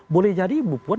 boleh jadi ibu puan